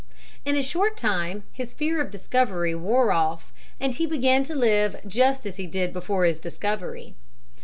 In a short time his fear of discovery wore off and he began to live just as he did before his discovery.